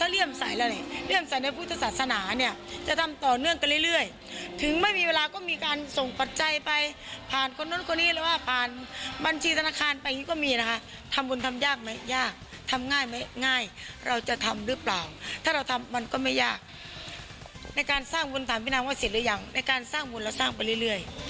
ลูกสาวบุญธรรมพี่น้ำว่าเสร็จหรือยังในการสร้างมนตร์และสร้างไปเรื่อย